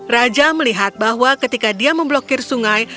raja melihat bahwa ketika dia memblokir sungai